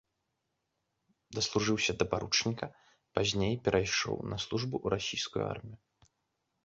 Даслужыўся да паручніка, пазней перайшоў на службу ў расійскую армію.